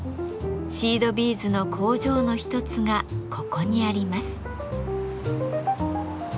シードビーズの工場の一つがここにあります。